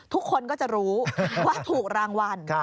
ทุกคนก็จะรู้ว่าถูกรางวัล